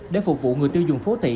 để phục vụ người tiêu dùng phố thị